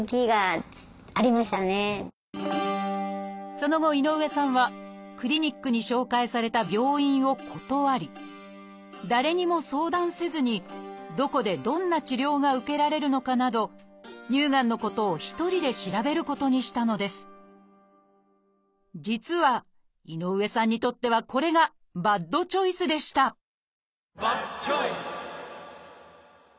その後井上さんはクリニックに紹介された病院を断り誰にも相談せずにどこでどんな治療が受けられるのかなど乳がんのことを実は井上さんにとってはこれがバッドチョイスでしたバッドチョイス！